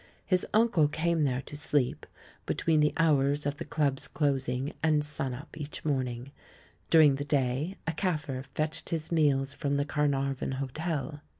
His uncle came there to sleep, between the hour' of the Club's closing and "sun up" each morning; during the day a Kaffir fetched his meals from the Carnarvon Hotel.